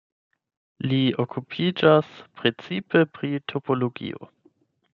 Li okupiĝas precipe pri topologio.